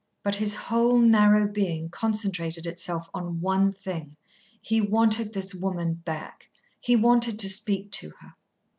But his whole narrow being concentrated itself on one thing, he wanted this woman back. He wanted to speak to her.